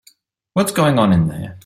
What's going on in there?